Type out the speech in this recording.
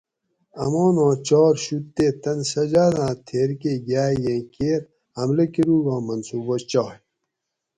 اماناں چار شُوت تے تن سجاداں تھیر کہ گیاگیں کیر حملہ کروگاں منصوبہ چائے